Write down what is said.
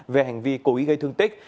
về hành vi cố ý gây thương tích